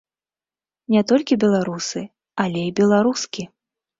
Не толькі беларусы, але і беларускі!